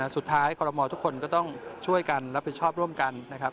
คอรมอลทุกคนก็ต้องช่วยกันรับผิดชอบร่วมกันนะครับ